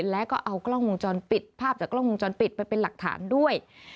แล้วก็เอากล้องวงจรปิดภาพจากกล้องวงจรปิดไปเป็นหลักฐานด้วย